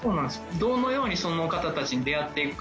どのようにその方たちに出会っていくか。